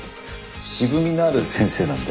渋みのある先生なんで。